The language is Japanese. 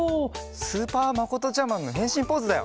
スーパーまことちゃマンのへんしんポーズだよ！